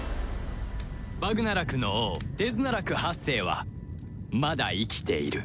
バグナラクの王デズナラク８世はまだ生きている